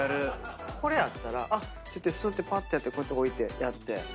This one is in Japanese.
これあったらぱってやってこうやって置いてやって。